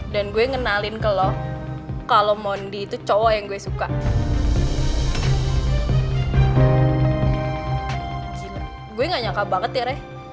dan gue ngenalin ke lo kalau mondi itu cowok yang gue suka gue gak nyaka banget ya reh